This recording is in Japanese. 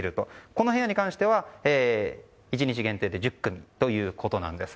この部屋に関しては１日限定で１０組ということです。